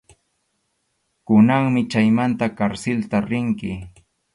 Kunanmi chaymanta karsilta rinki.